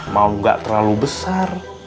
mau gak terlalu besar